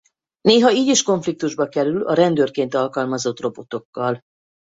Néha így is konfliktusba kerül a rendőrként alkalmazott robotokkal.